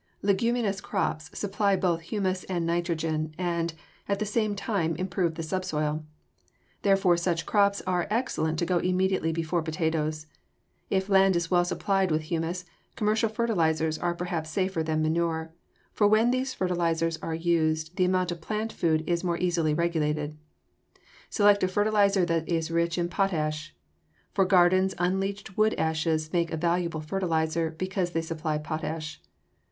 Leguminous crops supply both humus and nitrogen and, at the same time, improve the subsoil. Therefore such crops are excellent to go immediately before potatoes. If land is well supplied with humus, commercial fertilizers are perhaps safer than manure, for when these fertilizers are used the amount of plant food is more easily regulated. Select a fertilizer that is rich in potash. For gardens unleached wood ashes make a valuable fertilizer because they supply potash.